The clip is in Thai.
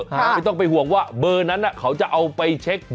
ไม่ต้องไปห่วงว่าเบอร์นั้นเขาจะเอาไปเช็ค